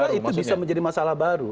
saya kira itu bisa menjadi masalah baru